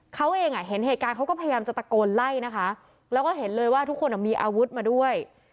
เขาเองเห็นเหตุการณ์เขาก็พยายามจะตะโกนไล่นะคะแล้วก็เห็นเลยว่าทุกคนมีอาวุธมาด้วย